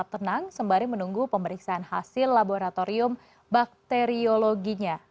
air yang berwarna hijau menang sembari menunggu pemeriksaan hasil laboratorium bakteriologinya